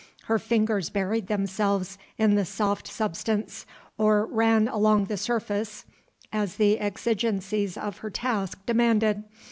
Her fingers buried themselves in the soft substance or ran along the surface, as the exigencies of her task demanded.